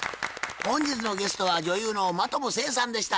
本日のゲストは女優の真飛聖さんでした。